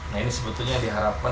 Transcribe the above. nah ini sebetulnya diharapkan